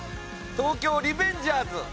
『東京卍リベンジャーズ』。